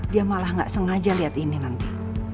dia malah gak sengaja lihat ini nanti